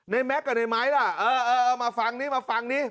แม็กซกับในไม้ล่ะเออเออมาฟังนี่มาฟังนี่